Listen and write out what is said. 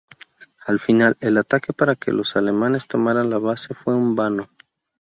Al final, el ataque para que los alemanes tomaran la base fue en vano.